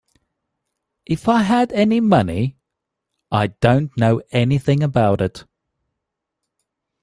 If I had any money, I don't know anything about it.